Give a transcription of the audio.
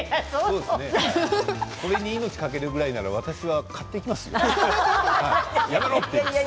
これに命を懸けるぐらいだったら私は買ってきますよ。